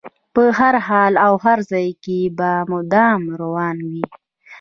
په هر حال او هر ځای کې به مدام روان وي.